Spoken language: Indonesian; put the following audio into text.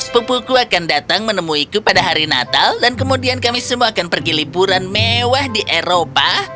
pupuku akan datang menemuiku pada hari natal dan kemudian kami semua akan pergi liburan mewah di eropa